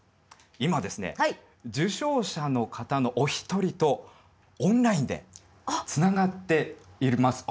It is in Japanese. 今受賞者の方のお一人とオンラインでつながっています。